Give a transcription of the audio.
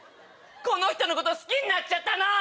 この人のこと好きになっちゃったの！